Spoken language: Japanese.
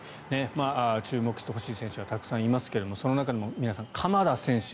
注目してほしい選手はたくさんいますけどもその中でも皆さん、鎌田選手